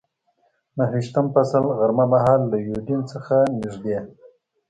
نهه ویشتم فصل، غرمه مهال له یوډین څخه نږدې.